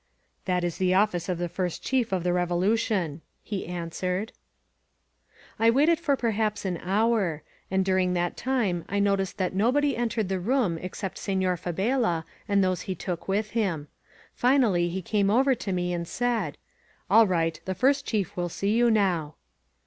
"That is the office of the First Chief of the Revolu tion," he answered. I waited for perhaps an hour, and during that time I noticed that nobody entered the room except Senor Fabela and those he took with him. Finally he came over to me and said: "All right. The First Chief will see you now."